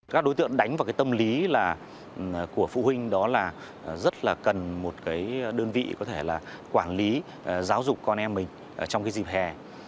các đối tượng đánh vào cái tâm lý của phụ huynh đó là rất là cần một đơn vị có thể là quản lý giáo dục con em mình trong dịp hè